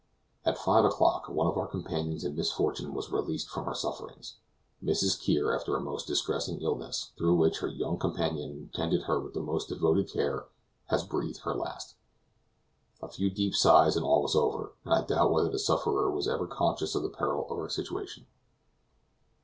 At five o'clock one of our companions in misfortune was released from her sufferings. Mrs. Kear, after a most distressing illness, through which her young companion tended her with the most devoted care, has breathed her last. A few deep sighs and all was over, and I doubt whether the sufferer was ever conscious of the peril of her situation.